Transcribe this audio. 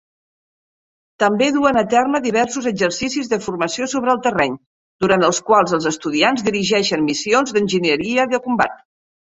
També duen a terme diversos exercicis de formació sobre el terreny, durant els quals els estudiants dirigeixen missions d'enginyeria de combat.